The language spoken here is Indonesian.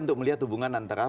untuk melihat hubungan antara